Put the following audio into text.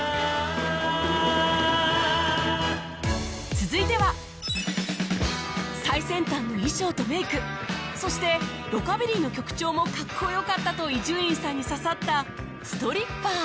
続いては最先端の衣装とメイクそしてロカビリーの曲調もかっこよかったと伊集院さんに刺さった『ス・ト・リ・ッ・パ・ー』